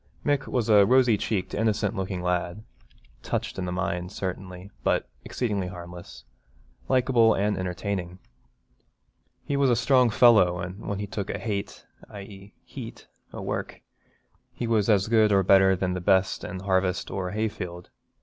Mick was a rosy cheeked, innocent looking lad, touched in the mind, certainly, but exceedingly harmless, likeable and entertaining. He was a strong fellow and when he 'took a hate (i.e. heat) o' work' he was as good or better than the best in harvest or hayfield.